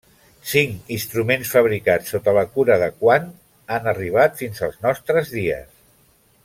Cinc instruments fabricats sota la cura de Quant han arribat fins als nostres dies.